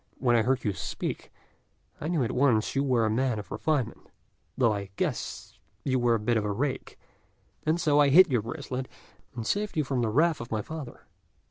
But when I heard you speak, I knew at once you were a man of refinement, though I guessed you were a bit of a rake; and so I hid your bracelet, and saved you from the wrath of my father."